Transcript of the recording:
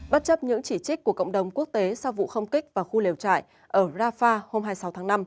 bất chấp những chỉ trích của cộng đồng quốc tế sau vụ không kích vào khu liều trại ở rafah hôm hai mươi sáu tháng năm